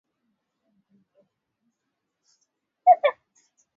benki kuu ya tanzania inahifadhi akiba ya nchi